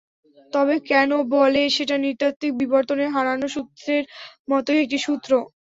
তবে কেন বলে সেটা নৃতাত্ত্বিক বিবর্তনের হারানো সূত্রের মতোই একটি সূত্র।